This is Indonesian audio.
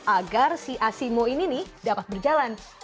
agar si asimo ini nih dapat berjalan